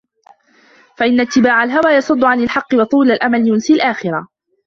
فَإِنَّ اتِّبَاعَ الْهَوَى يَصُدُّ عَنْ الْحَقِّ وَطُولَ الْأَمَلِ يُنْسِي الْآخِرَةَ